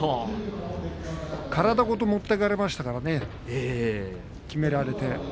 体ごと持っていかれましたからねきめられて。